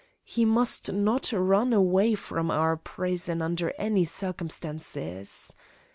He must not run away from our prison under any circumstances.